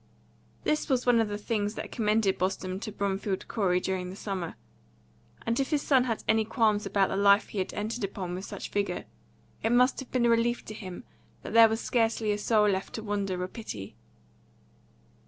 This was one of the things that commended Boston to Bromfield Corey during the summer; and if his son had any qualms about the life he had entered upon with such vigour, it must have been a relief to him that there was scarcely a soul left to wonder or pity.